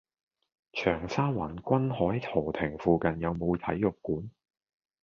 長沙灣君凱豪庭附近有無體育館？